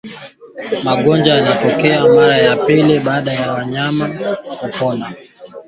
magonjwa yanayotukia mara ya pili baada ya mnyama kupona